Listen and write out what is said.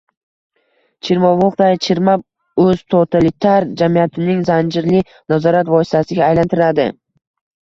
chirmovuqday chirmab, “o‘ztotalitar” jamiyatning zanjirli nazorat vositasiga aylantiradi.